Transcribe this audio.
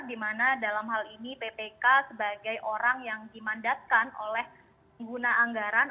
di mana dalam hal ini ppk sebagai orang yang dimandatkan oleh pengguna anggaran